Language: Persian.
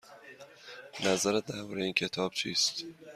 نظرت درباره این کتاب چیست؟